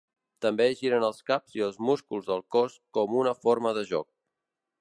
També giren els caps i els músculs del cos com una forma de joc.